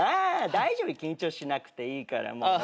大丈夫緊張しなくていいから。